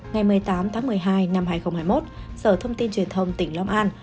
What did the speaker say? ngày một mươi tám tháng một mươi hai năm hai nghìn hai mươi một sở thông tin truyền thông tỉnh long an